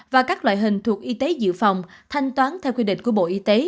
và các loại hình thuộc y tế dự phòng thanh toán theo quy định của bộ y tế